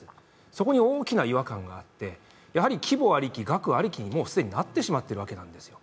そこに大きな違和感があって、規模ありき、額ありきに既になってしまっているわけなんですよ。